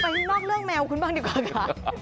นอกเรื่องแมวคุณบ้างดีกว่าค่ะ